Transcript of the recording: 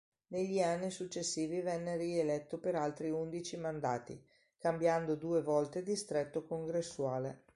Negli anni successivi venne rieletto per altri undici mandati, cambiando due volte distretto congressuale.